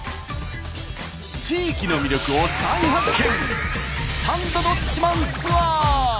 地域の魅力を再発見！